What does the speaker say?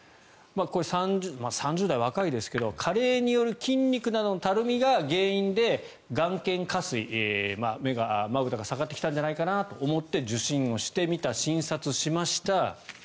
これ、３０代、若いですが加齢による筋肉などのたるみが原因で眼瞼下垂目が、まぶたが下がってきたんじゃないかなと思って受診をしてみた、診察しました。